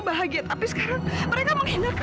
bahagia tapi sekarang mereka menghindar